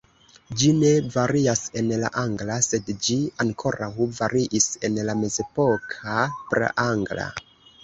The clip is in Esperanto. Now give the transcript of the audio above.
Ĝi ne varias en la angla, sed ĝi ankoraŭ variis en la mezepoka praangla.